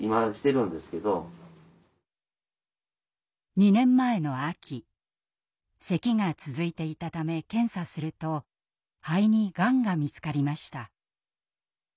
２年前の秋せきが続いていたため検査すると肺にがんが見つかりました。